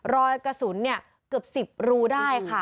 รอยกระสุนเกือบ๑๐รูได้ค่ะ